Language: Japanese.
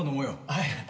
はい！